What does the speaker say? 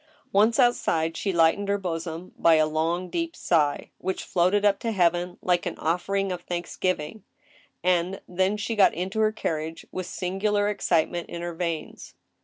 Once outside, she lightened her bosom by a long, deep sigh, which floated up to heaven like an offering of thanksgiving, and then she got again into her carriage with singular excitement in her veins.